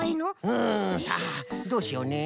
うんさあどうしようね？